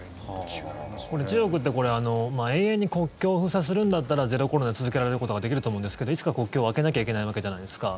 中国って永遠に国境を封鎖するんだったらゼロコロナを続けることができると思うんですがいつか国境を開けないといけないわけじゃないですか。